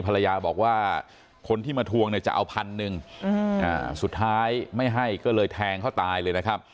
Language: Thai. ภรรยาบอกว่าคนที่มาทวงเนี่ยจะเอาพันหนึ่งสุดท้ายไม่ให้ก็เลยแทงเขาตายเลยนะครับ